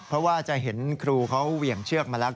เพราะว่าจะเห็นครูเขาเหวี่ยงเชือกมาแล้ว